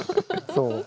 そう。